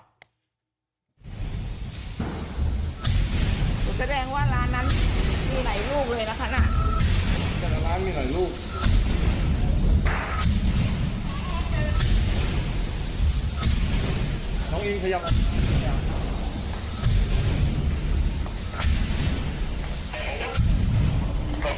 ดูแสดงว่าร้านนั้นมีหลายรูปเลยนะครับน่ะ